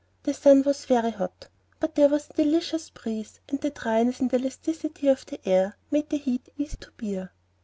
The sun was very hot; but there was a delicious breeze, and the dryness and elasticity of the air made the heat easy to bear.